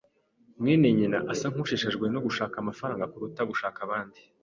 mwene nyina asa nkushishikajwe no gushaka amafaranga kuruta gufasha abandi.